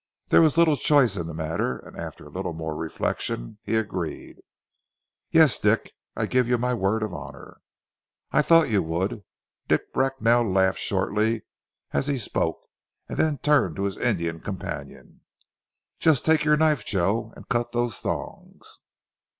There was little choice in the matter, and after a little more reflection he agreed. "Yes, Dick, I give you my word of honour." "I thought you would!" Dick Bracknell laughed shortly as he spoke, and then turned to his Indian companion. "Just take your knife, Joe, and cut those thongs."